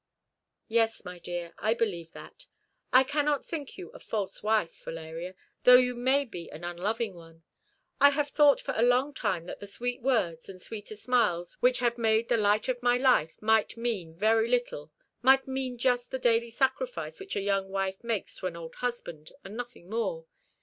"Yes, my dear, I believe that. I cannot think you a false wife, Valeria, though you may be an unloving one. I have thought for a long time that the sweet words, and sweeter smiles which have made the light of my life might mean very little might mean just the daily sacrifice which a young wife makes to an old husband, and nothing more.